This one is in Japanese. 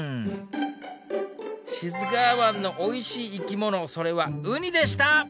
志津川湾のおいしい生き物それはウニでした！